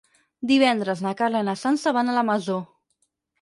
Divendres na Carla i na Sança van a la Masó.